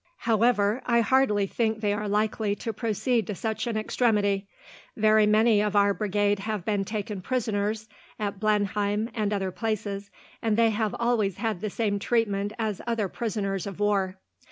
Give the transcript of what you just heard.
"However, I hardly think they are likely to proceed to such an extremity. Very many of our Brigade have been taken prisoners, at Blenheim and other places, and they have always had the same treatment as other prisoners of war."